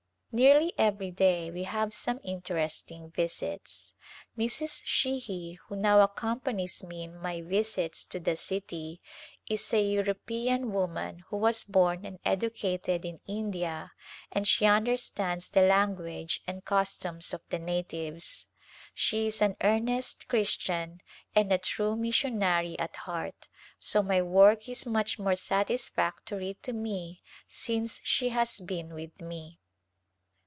Nearly every day we have some interesting visits. Mrs. Sheahy who now accompanies me in my visits to the city is a European woman who was born and educated in India and she understands the language and customs of the natives ; she is an earnest Christian and a true missionary at heart, so my work is much more satisfactory to me since she has been with me.